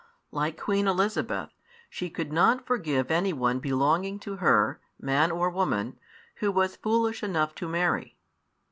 Like Queen Elizabeth, she could not forgive anyone belonging to her, man or woman, who was foolish enough to marry.